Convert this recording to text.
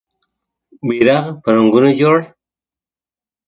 بېرغ په رنګونو جوړ